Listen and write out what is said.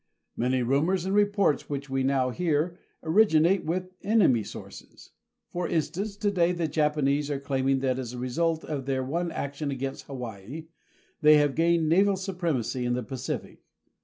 Many rumors and reports which we now hear originate with enemy sources. For instance, today the Japanese are claiming that as a result of their one action against Hawaii they hare gained naval supremacy in the Pacific.